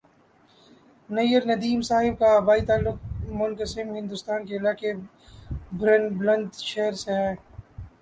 نیّرندیم صاحب کا آبائی تعلق منقسم ہندوستان کے علاقہ برن بلند شہر سے ہے